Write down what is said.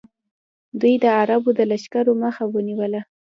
دوی د عربو د لښکرو مخه ونیوله